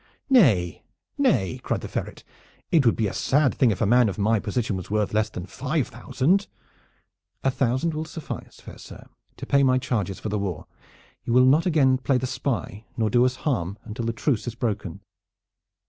"Nay, nay!" cried the Ferret. "It would be a sad thing if a man of my position was worth less than five thousand." "A thousand will suffice, fair sir, to pay my charges for the war. You will not again play the spy, nor do us harm until the truce is broken."